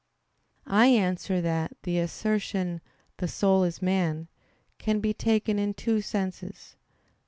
I answer that, The assertion "the soul is man," can be taken in two senses.